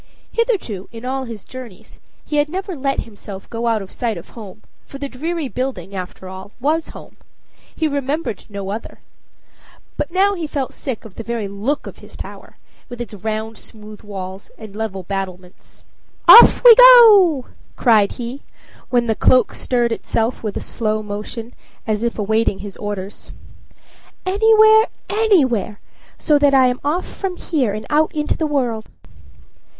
Hitherto, in all his journeys, he had never let himself go out of sight of home, for the dreary building, after all, was home he remembered no other; but now he felt sick of the very look of his tower, with its round smooth walls and level battlements. "Off we go!" cried he, when the cloak stirred itself with a slight, slow motion, as if waiting his orders. "Anywhere anywhere, so that I am away from here, and out into the world."